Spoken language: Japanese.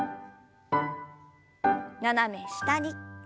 斜め下に。